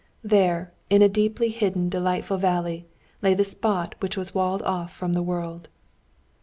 There, in a deeply hidden, delightful valley, lay the little spot which is walled off from the world.